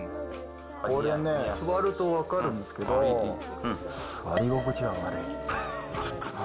これね、座ると分かるんですけど、座り心地は悪い、実は。